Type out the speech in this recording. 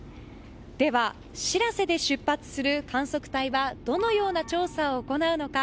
では「しらせ」で出発する観測隊はどのような調査を行うのか。